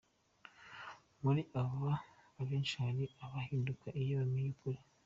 Muri aba abenshi hari abahinduka iyo bamenye ukuri.